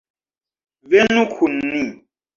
Venu kun ni!